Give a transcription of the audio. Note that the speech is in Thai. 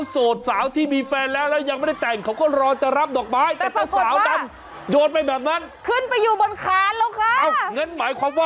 อ่อซึ้งปาเลวปาเลว